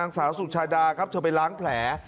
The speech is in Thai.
ไปพบกับนางสาวสุชาดานะครับเธอไปล้างแผล